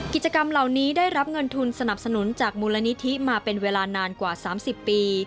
กิจกรรมเหล่านี้ได้รับเงินทุนสนับสนุนจากมูลนิธิมาเป็นเวลานานกว่า๓๐ปี